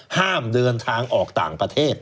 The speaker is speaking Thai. ห้ามเดินทางออกต่างประเทศ